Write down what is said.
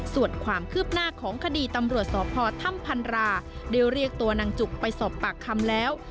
ส่วนความคืบหน้าของคดีตำรวจสพถ้ำพันราได้เรียกตัวนางจุกไปสอบปากคำแล้ว